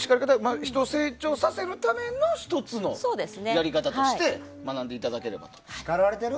成長させるための１つのやり方として学んでいただければと。